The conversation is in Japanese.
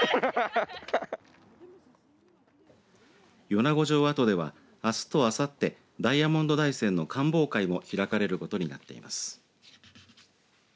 米子城跡ではあすとあさってダイヤモンド大山の観望会も開かれることになっています。